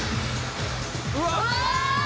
うわ！